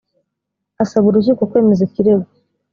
asaba urukiko kwemeza ikirego